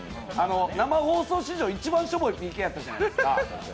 生放送史上一番しょぼいＰＫやったやないですか。